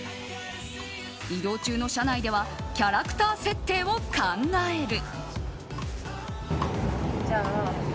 移動中の車内ではキャラクター設定を考える。